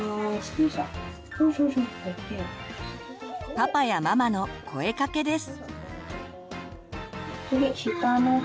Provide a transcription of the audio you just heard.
パパやママの声かけです。